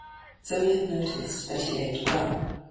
Zoe had noticed that he ate well.